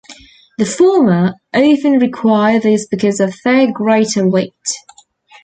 The former often require these because of their greater weight.